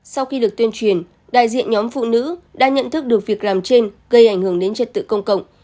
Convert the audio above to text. sau khi được tuyên truyền đại diện nhóm phụ nữ đã nhận thức được việc làm trên gây ảnh hưởng đến trật tự công cộng